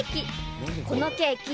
［このケーキ